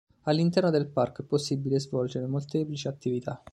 All'interno del parco è possibile svolgere molteplici attività.